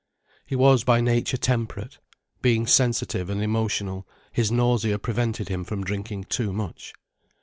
He was by nature temperate. Being sensitive and emotional, his nausea prevented him from drinking too much.